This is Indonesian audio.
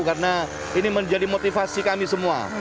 karena ini menjadi motivasi kami semua